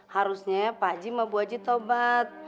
harusnya pak haji sama bu haji taubat